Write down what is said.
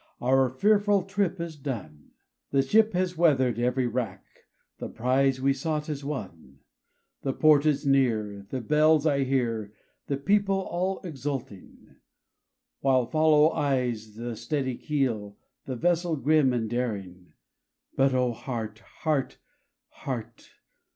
our fearful trip is done, The ship has weather'd every rack, the prize we sought is won, The port is near, the bells I hear, the people all exulting, While follow eyes the steady keel, the vessel grim and daring; But O heart ! heart ! heart